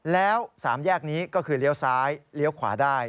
แล้ว๓แยกนี้ก็คือเลี้ยวซ้ายเลี้ยวขวาได้